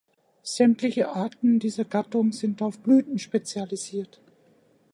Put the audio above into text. Sämtliche Arten dieser Gattung sind auf Blüten spezialisiert.